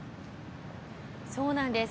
そうなんです。